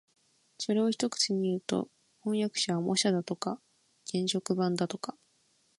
それを一口にいうと、飜訳者は模写だとか原色版だとか